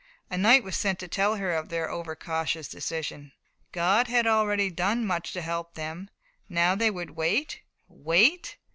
A knight was sent to tell her of their over cautious decision: "God had already done much to help them; now they would wait." Wait!